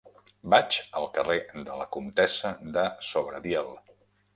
Vaig al carrer de la Comtessa de Sobradiel.